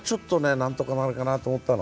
なんとかなるかなと思ったの。